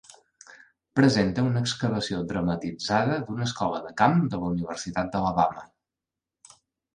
Presenta una excavació dramatitzada d'una escola de camp de la Universitat d'Alabama.